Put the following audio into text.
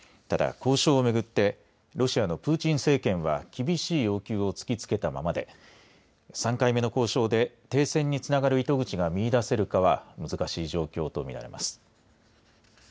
ただ、交渉をめぐってロシアのプーチン政権は厳しい要求を突きつけたままで３回目の交渉で停戦につながる糸口が見いだせるかは難しい状況とみられます。